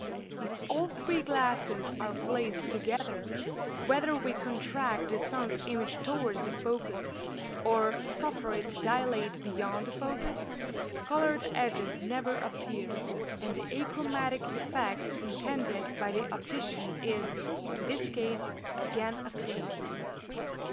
If all three glasses are placed together, whether we contract the sun's image towards the focus, or suffer it to dilate beyond the focus, coloured edges never appear, and the achromatic effect intended by the optician is, in this case, again attained.